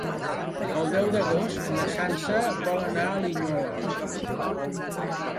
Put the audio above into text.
El deu d'agost na Sança vol anar a Linyola.